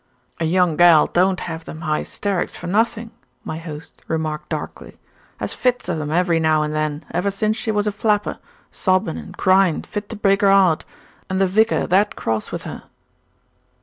"A young gal don't have them highsterics for nothin'," my host remarked darkly. "Has fits of 'em every now and then ever since she was a flapper, sobbin' and cryin' fit to break 'er heart, and the vicar that cross with her."